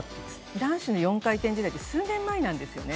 男子の４回転時代って数年前なんですよね。